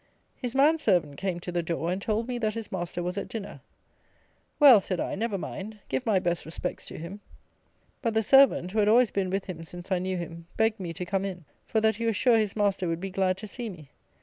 His man servant came to the door, and told me that his master was at dinner. "Well," said I, "never mind; give my best respects to him." But the servant (who had always been with him since I knew him) begged me to come in, for that he was sure his master would be glad to see me.